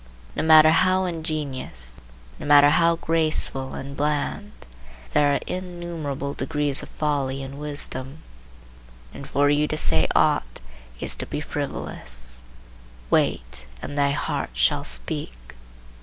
No matter how ingenious, no matter how graceful and bland. There are innumerable degrees of folly and wisdom, and for you to say aught is to be frivolous. Wait, and thy heart shall speak.